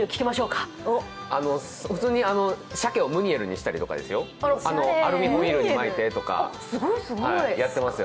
普通に鮭をムニエルにしたりとかですよ、アルミホイルに巻いてやってますよ。